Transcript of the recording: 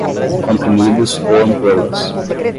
comprimidos ou ampolas